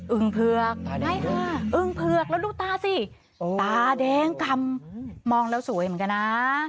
ึงเผือกได้ค่ะอึ้งเผือกแล้วดูตาสิตาแดงกำมองแล้วสวยเหมือนกันนะ